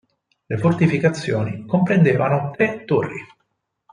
Le fortificazioni comprendevano tre torri.